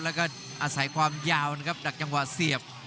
แล้วก็อาศัยความยาวนะครับดักจังหวะเสียบ